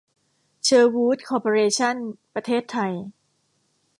เชอร์วู้ด คอร์ปอเรชั่น ประเทศไทย